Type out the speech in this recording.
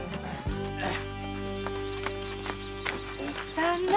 旦那。